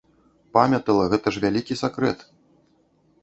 Памятала, гэта ж вялікі сакрэт!